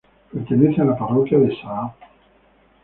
Pertenece a la parroquia de Saa.